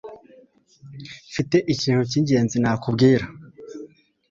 Mfite ikintu cyingenzi nakubwira.